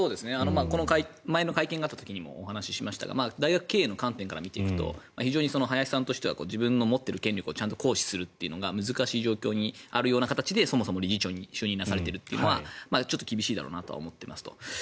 前の会見があった時にもお話しましたが大学経営の観点から見ていくと林さんとしては自分の持っている権力を行使するというのが難しい状況にあるような形でそもそも理事長に就任なされてるというのは厳しいだろうと思ってますと。